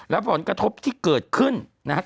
และผลกระทบที่เกิดขึ้นนะครับ